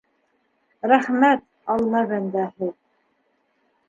Рәхмәт, алла бәндәһе...